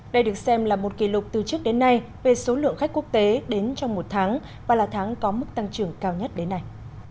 đây được xem là một kỷ lục từ trước đến nay về số lượng khách quốc tế đến trong một tháng và là tháng có mức tăng trưởng cao nhất đến nay